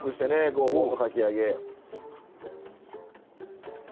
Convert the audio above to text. ごぼうのかき揚げ。